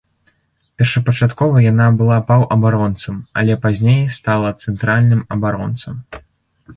Першапачаткова яна была паўабаронцам, але пазней стала цэнтральным абаронцам.